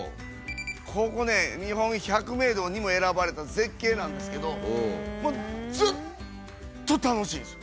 ここね日本百名道にも選ばれた絶景なんですけどもうずっと楽しいです。